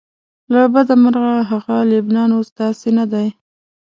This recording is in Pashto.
له بده مرغه هغه لبنان اوس داسې نه دی.